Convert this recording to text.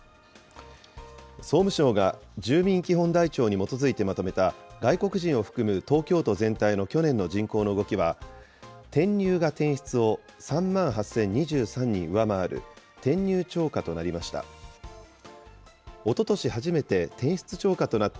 総務省が住民基本台帳に基づいてまとめた、外国人を含む東京都全体の去年の人口の動きは、転入が転出を３万８０２３人上回る転入超過となりました。